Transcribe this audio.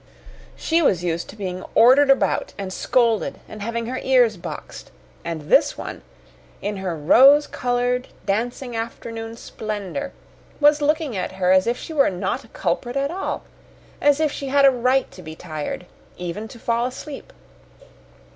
She was used to being ordered about and scolded, and having her ears boxed. And this one in her rose colored dancing afternoon splendor was looking at her as if she were not a culprit at all as if she had a right to be tired even to fall asleep!